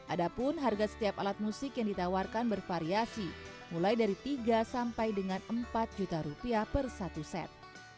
ada pun harga setiap alat musik yang ditawarkan bervariasi mulai dari tiga sampai dengan empat juta rupiah per satu set